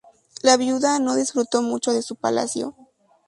La viuda no disfrutó mucho de su palacio.